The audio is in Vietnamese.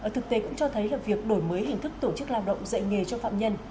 thực tế cũng cho thấy là việc đổi mới hình thức tổ chức lao động dạy nghề cho phạm nhân